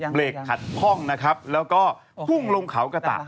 เบรกขัดพ่องแล้วก็พุ่งลงเขากระต่า